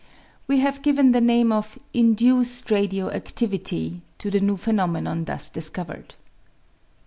We have given the name oi iiiditced radio activity to the new phenomenon thus discovered.